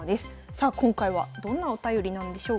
さあ今回はどんなお便りなんでしょうか。